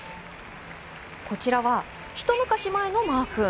こちらはひと昔前のマーくん。